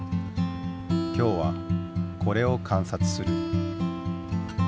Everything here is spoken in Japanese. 今日はこれを観察する。